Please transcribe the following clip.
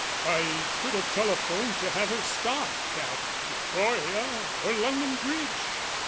"I could have telephoned to have her stopped at Victoria or London Bridge."